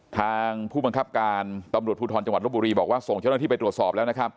ทางผู้บังคับการตำรวจภูทรจังหวัดลบบุรีบอกว่าส่งเจ้าหน้าที่ไปตรวจสอบแล้วนะครับ